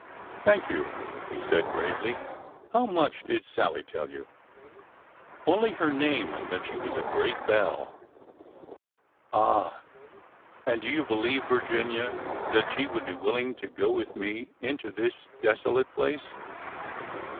Thank you," he said gravely. How much did Sal lie tell you ?"" Only her name and that she was a great belle." Ah ! And do you believe, Virginia, that she would be willing to go with me into this desolate place